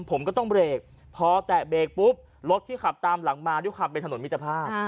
ผมก็ต้องเบรกพอแตะเบรกปุ๊บรถที่ขับตามหลังมาด้วยความเป็นถนนมิตรภาพ